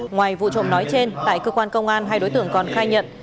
ngoài vụ trộm nói trên tại cơ quan công an hai đối tượng còn khai nhận